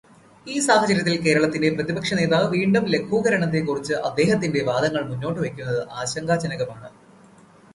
ഈ സാഹചര്യത്തിൽ കേരളത്തിന്റെ പ്രതിപക്ഷനേതാവ് വീണ്ടും ലഘൂകരണത്തെക്കുറിച്ച് അദ്ദേഹത്തിന്റെ വാദങ്ങൾ മുന്നോട്ട് വെക്കുന്നത് ആശങ്കാജനകമാണ്.